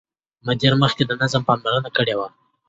مدیر مخکې د نظم پاملرنه کړې وه.